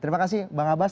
terima kasih bang abbas